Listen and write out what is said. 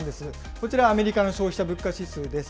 こちら、アメリカの消費者物価指数です。